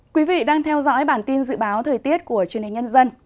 quý vị đang theo dõi bản tin dự báo thời tiết của truyền hình nhân dân